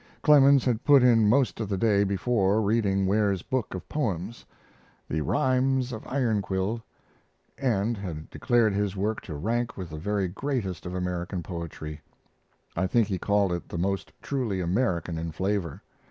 Clemens had put in most of the day before reading Ware's book of poems, 'The Rhymes of Ironquill', and had declared his work to rank with the very greatest of American poetry I think he called it the most truly American in flavor.